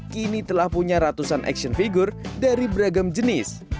kini telah punya ratusan action figure dari beragam jenis